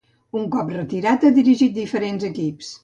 Un cop retirat ha dirigit diferents equips.